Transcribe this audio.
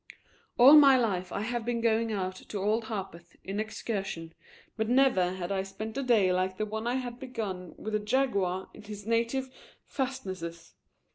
All my life I have been going out to Old Harpeth on excursions, but never had I spent a day like the one I had begun with the Jaguar in his native fastnesses.